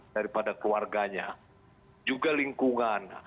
daripada keluarganya juga lingkungan